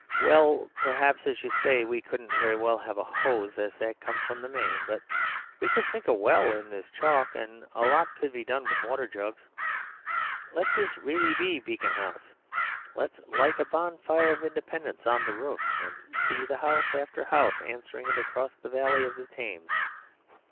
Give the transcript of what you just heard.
Well, perhaps, as you say, we couldn't very well have a hose, as that comes from the main; but we could sink a well in this chalk, and a lot could be done with water jugs.... Let this really be Beacon House. Let's light a bonfire of independence on the roof, and see house after house answering it across the valley of the Thames!